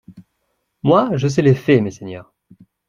Moi, je sais les faits, messeigneurs.